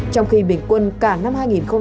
trong khi bình quân cả năm hai nghìn hai mươi một